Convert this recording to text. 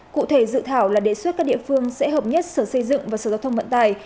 cụ thể dự thảo là đề xuất các địa phương sẽ hợp nhất sở xây dựng và sở giao thông vận tài